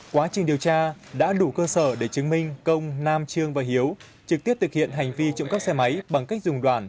quá trình điều tra đã đủ cơ sở để chứng minh công nam trương và hiếu trực tiếp thực hiện hành vi trộm cắp xe máy bằng cách dùng đoàn